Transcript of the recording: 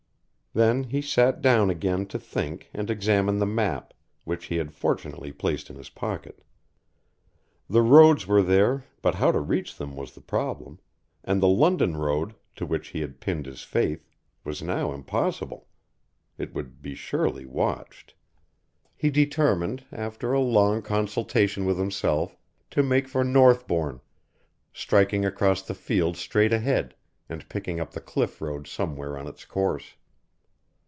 Then he sat down again to think and examine the map, which he had fortunately placed in his pocket. The roads were there but how to reach them was the problem, and the London road, to which he had pinned his faith, was now impossible. It would be surely watched. He determined, after a long consultation with himself, to make for Northbourne, striking across the fields straight ahead, and picking up the cliff road somewhere on its course.